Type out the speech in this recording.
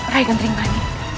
rai kan teringat